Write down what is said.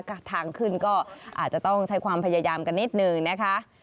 ทางขึ้นก็อาจจะต้องใช้ความพยายามกันนิดนึงนะคะ